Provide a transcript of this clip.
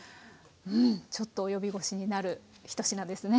うんちょっと及び腰になる１品ですね。